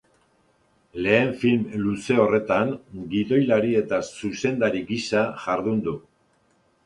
Lehen film luze horretan gidoilari eta zuzendari gisa jardun du.